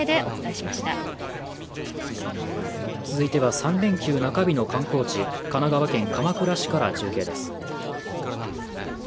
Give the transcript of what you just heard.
続いては３連休中日の観光地神奈川県鎌倉市から中継です